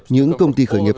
những công ty khởi nghiệp